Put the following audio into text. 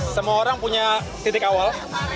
semua orang punya titik awal